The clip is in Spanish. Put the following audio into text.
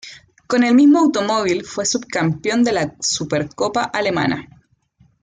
Con el mismo automóvil, fue subcampeón de la Supercopa Alemana.